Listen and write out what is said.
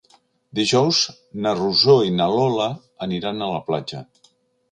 Dijous na Rosó i na Lola aniran a la platja.